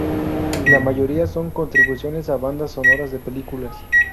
La mayoría son contribuciones a bandas sonoras de películas.